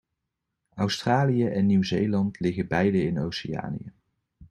Australië en Nieuw Zeeland liggen beide in Oceanië.